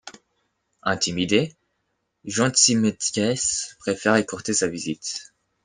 Intimidé, Jean Tzimiskès, préfère écourter sa visite.